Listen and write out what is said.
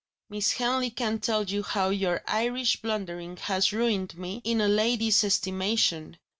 Miss Henley can tell you how your Irish blundering has ruined me in a lady's estimation.